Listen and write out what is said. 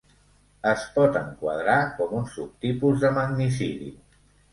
Es pot enquadrar com un subtipus de magnicidi.